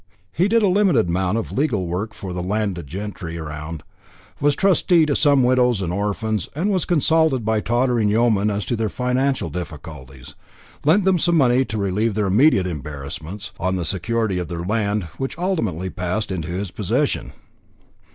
He did a limited amount of legal work for the landed gentry round, was trustee to some widows and orphans, and was consulted by tottering yeomen as to their financial difficulties, lent them some money to relieve their immediate embarrassments, on the security of their land, which ultimately passed into his possession.